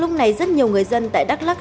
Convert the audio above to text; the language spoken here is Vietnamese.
lúc này rất nhiều người dân tại đắk lắc